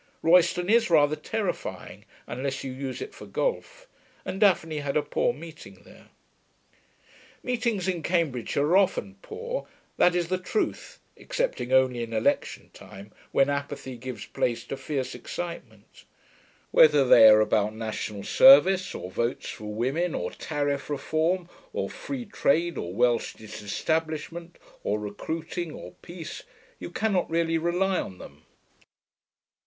Royston is rather terrifying, unless you use it for golf, and Daphne had a poor meeting there. Meetings in Cambridgeshire are often poor, that is the truth (excepting only in election time, when apathy gives place to fierce excitement). Whether they are about National Service, or Votes for Women, or Tariff Reform, or Free Trade, or Welsh Disestablishment, or Recruiting, or Peace you cannot really rely on them.